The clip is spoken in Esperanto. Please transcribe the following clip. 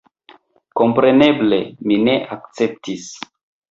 Kompreneble mi ne akceptis.